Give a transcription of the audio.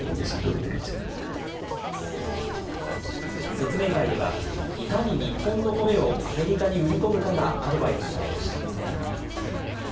説明会では、いかに日本のコメをアメリカに売り込むかがアドバイスされました。